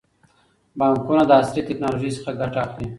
بانکونه د عصري ټکنالوژۍ څخه ګټه اخلي.